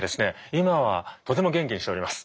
今はとても元気にしております。